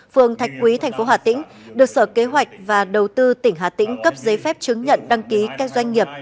phường thạch quý thành phố hà tĩnh được sở kế hoạch và đầu tư tỉnh hà tĩnh cấp giấy phép chứng nhận đăng ký các doanh nghiệp